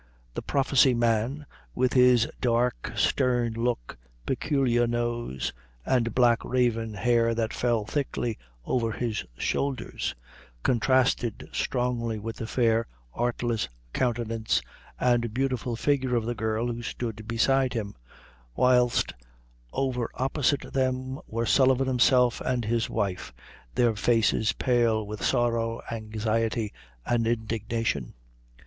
The prophecy man, with his dark, stern look, peculiar nose, and black raven hair that fell thickly over his shoulders, contrasted strongly with the fair, artless countenance and beautiful figure of the girl who stood beside him, whilst over opposite them were Sullivan himself and his wife, their faces pale with sorrow, anxiety, and indignation.